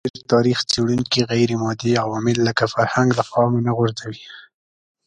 د معاصر تاریخ څېړونکي غیرمادي عوامل لکه فرهنګ له پامه نه غورځوي.